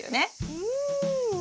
うん。